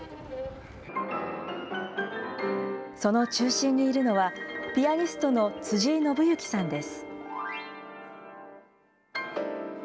その中心にいるのは、ピアニストの辻井伸行さんです。